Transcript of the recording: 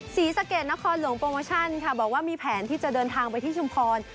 ศรีสะเกดนครหลวงโปรโมชั่นค่ะบอกว่ามีแผนที่จะเดินทางไปที่ชุมพร